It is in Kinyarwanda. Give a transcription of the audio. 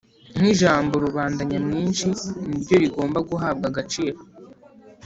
Nk ijambo rubanda nyamwinshi niryo rigomba guhabwa agaciro